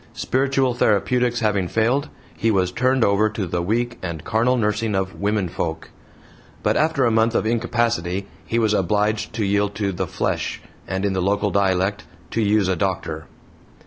Spiritual therapeutics having failed, he was turned over to the weak and carnal nursing of "womenfolk." But after a month of incapacity he was obliged to yield to "the flesh," and, in the local dialect, "to use a doctor."